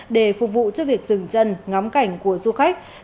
để phục vụ cho việc dừng chân ngắm cảnh của du khách